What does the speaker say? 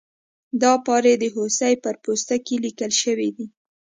دا پارې د هوسۍ پر پوستکي لیکل شوي دي.